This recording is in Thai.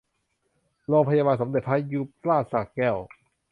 โรงพยาบาลสมเด็จพระยุพราชสระแก้ว